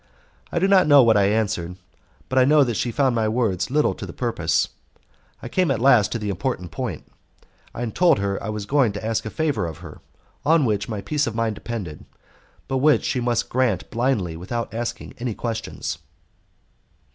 I do not know what I answered, but I know that she found my words little to the purpose. I came at last to the important point, and told her I was going to ask a favour of her, on which my peace of mind depended, but which she must grant blindly without asking any questions.